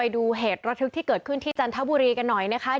ดูเหตุระทึกที่เกิดขึ้นที่จันทบุรีกันหน่อยนะคะ